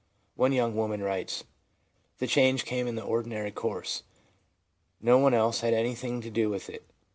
One young woman writes : i The change came in the ordinary course ; no one else had anything to do with it.